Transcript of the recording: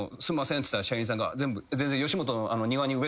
っつったら社員さんが。